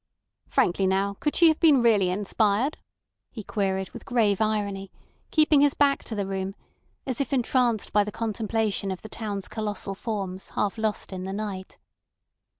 "Frankly now, could she have been really inspired?" he queried, with grave irony, keeping his back to the room, as if entranced by the contemplation of the town's colossal forms half lost in the night.